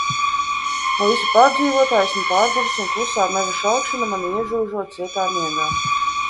No visa pārdzīvotā esmu pārguris un klusā meža šalkšana mani iežūžo cietā miegā.